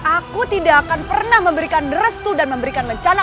aku tidak akan pernah memberikan restu dan mencalak raja baru